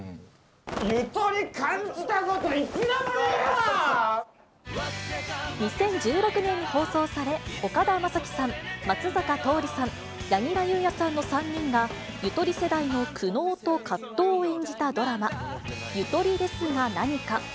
ゆとり感じたこと、一度もね２０１６年に放送され、岡田将生さん、松坂桃李さん、柳楽優弥さんの３人が、ゆとり世代の苦悩と葛藤を演じたドラマ、ゆとりですがなにか。